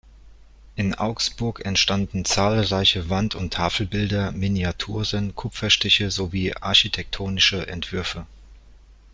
In Augsburg entstanden zahlreiche Wand- und Tafelbilder, Miniaturen, Kupferstiche sowie architektonische Entwürfe.